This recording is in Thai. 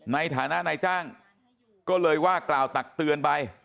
ในฐานะนายจ้างก็เลยว่ากล่าวตักเตือนไป